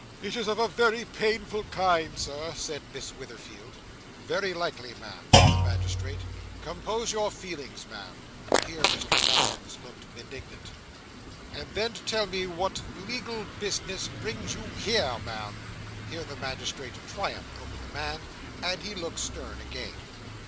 'It is of a very painful kind, Sir,' said Miss Witherfield. 'Very likely, ma'am,' said the magistrate. 'Compose your feelings, ma'am.' Here Mr. Nupkins looked benignant. 'And then tell me what legal business brings you here, ma'am.' Here the magistrate triumphed over the man; and he looked stern again.